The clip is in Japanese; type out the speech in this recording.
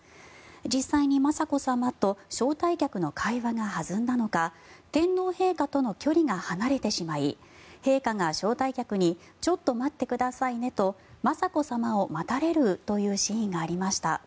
実際に雅子さまと招待客の会話が弾んだのか天皇陛下との距離が離れてしまい陛下が招待客にちょっと待ってくださいねと雅子さまを待たれるというシーンがありました。